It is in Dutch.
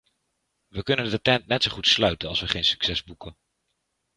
We kunnen de tent net zo goed sluiten als we geen succes boeken.